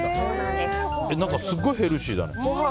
すごいヘルシーだね。